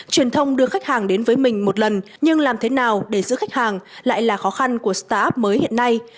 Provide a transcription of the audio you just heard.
truyền thông đưa khách hàng đến với mình một lần nhưng làm thế nào để giữ khách hàng lại là khó khăn của start up mới hiện nay